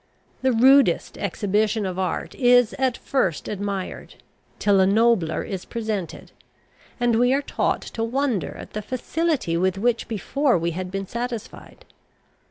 The rudest exhibition of art is at first admired, till a nobler is presented, and we are taught to wonder at the facility with which before we had been satisfied.